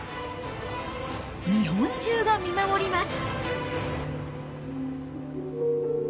日本中が見守ります。